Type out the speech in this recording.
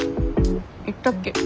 言ったっけ？